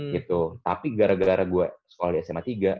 gitu tapi gara gara gue sekolah di sma tiga